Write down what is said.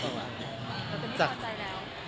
รู้จัก